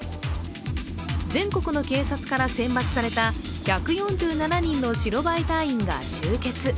全国の警察から選抜された１４７人の白バイ隊員が集結。